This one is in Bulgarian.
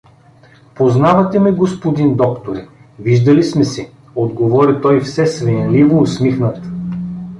— Познавате ме, господин докторе, виждали сме се — отговори той все свенливо усмихнат.